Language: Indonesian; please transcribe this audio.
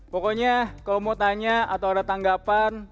pokoknya kalau mau tanya atau ada tanggapan